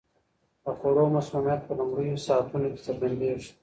د خوړو مسمومیت په لومړیو ساعتونو کې څرګندیږي.